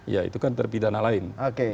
ya itu kan terpidana lain